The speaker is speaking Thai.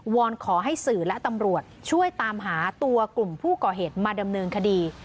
อนขอให้สื่อและตำรวจช่วยตามหาตัวกลุ่มผู้ก่อเหตุมาดำเนินคดี